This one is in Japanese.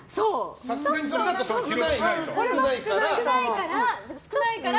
さすがにそれだと少ないから。